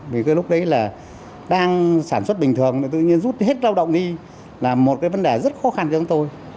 vì cái lúc đấy là đang sản xuất bình thường tự nhiên rút hết lao động đi là một cái vấn đề rất khó khăn cho chúng tôi